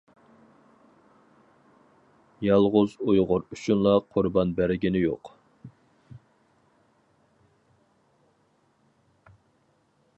يالغۇز ئۇيغۇر ئۈچۈنلا قۇربان بەرگىنى يوق.